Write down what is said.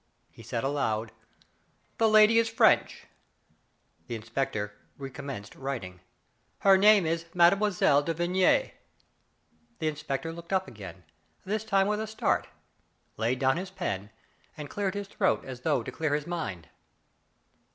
He said aloud: "The lady is French;" the in spector recommenced writing ;" her name is Mme. de Vigny." The inspector looked up again, this time with a start, laid down his pen, and cleared his throat as though to clear his mind.